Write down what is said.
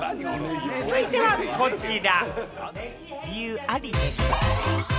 続いてはこちら！